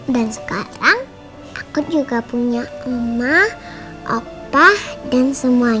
dan sekarang aku juga punya emah opah dan semuanya